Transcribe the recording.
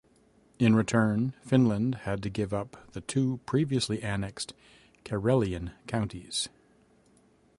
In return, Finland had to give up the two previously annexed Karelian counties.